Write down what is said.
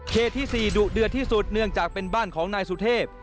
ที่๔ดุเดือดที่สุดเนื่องจากเป็นบ้านของนายสุเทพ